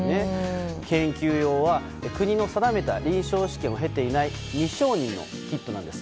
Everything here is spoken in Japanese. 研究用は国の定めた臨床試験を経ていない未承認のキットなんです。